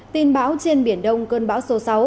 tin báo trên biển đông cơn bão số sáu